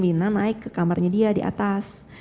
mirna naik ke kamarnya dia di atas